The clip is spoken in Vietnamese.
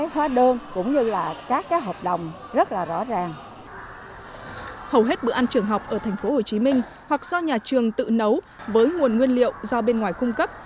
hầu hết bữa ăn trường học ở tp hcm hoặc do nhà trường tự nấu với nguồn nguyên liệu do bên ngoài cung cấp